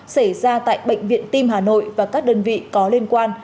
xảy ra tại bệnh viện tim hà nội và các đơn vị có liên quan